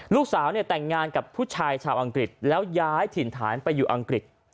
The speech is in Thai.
ลูกสาวเนี่ยแต่งงานกับผู้ชายชาวอังกฤษแล้วย้ายถิ่นฐานไปอยู่อังกฤษ